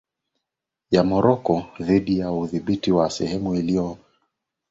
ya morocco dhiti ya udhibiti wa sehemu hiyo ambayo inazozaniwa kutokana na utajiri